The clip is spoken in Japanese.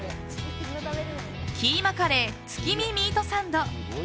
キーマカレー月見ミートサンド。